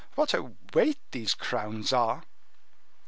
What a weight these crowns are!"